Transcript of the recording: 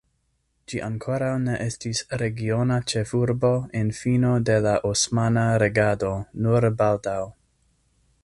Ĝi ankoraŭ ne estis regiona ĉefurbo en fino de la osmana regado, nur baldaŭ.